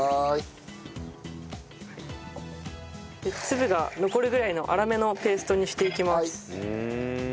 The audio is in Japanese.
粒が残るぐらいの粗めのペーストにしていきます。